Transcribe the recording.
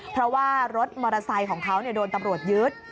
เพราะว่ารถมอเตอร์ไซค์ของเขาโดนตำรวจยึด